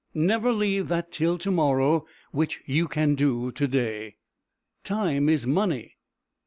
"Never leave that till to morrow which you can do to day." "Time is money."